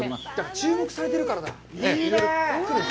注目されているからだ。